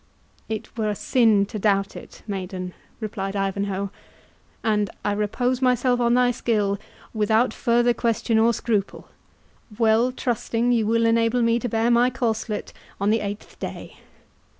"It were sin to doubt it, maiden," replied Ivanhoe; "and I repose myself on thy skill without further scruple or question, well trusting you will enable me to bear my corslet on the eighth day.